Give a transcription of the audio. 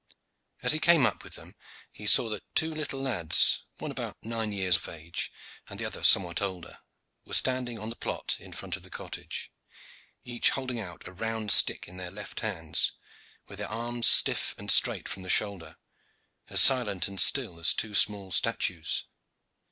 As he came up with them, he saw that two little lads, the one about nine years of age and the other somewhat older, were standing on the plot in front of the cottage, each holding out a round stick in their left hands, with their arms stiff and straight from the shoulder, as silent and still as two small statues.